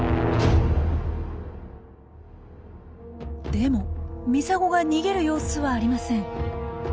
でもミサゴが逃げる様子はありません。